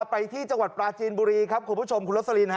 ไปที่จังหวัดปลาจีนบุรีครับคุณผู้ชมคุณลสลินฮ